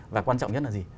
và quan trọng nhất là gì